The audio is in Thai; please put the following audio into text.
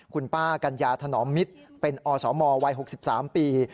คุณป้ากัญญาถนอมมิตรเป็นอสมวัย๖๓ปี